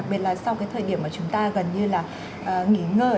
đặc biệt là sau cái thời điểm mà chúng ta gần như là nghỉ ngơi